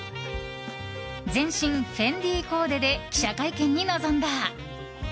全身フェンディコーデで記者会見に臨んだ。